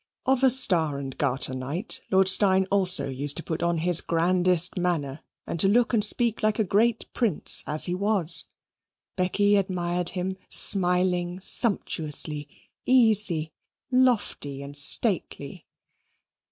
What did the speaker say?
Of a Star and Garter night Lord Steyne used also to put on his grandest manner and to look and speak like a great prince, as he was. Becky admired him smiling sumptuously, easy, lofty, and stately.